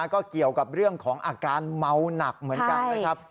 ก็เกี่ยวกับเรื่องของอาการเมาหนักเหมือนกันนะครับ